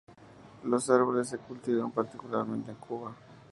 Los árboles se cultivan particularmente en Cuba.